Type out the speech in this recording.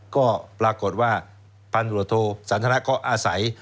ก็ปรากฏว่าพันธุตรโทสรรธนักก็อาศัย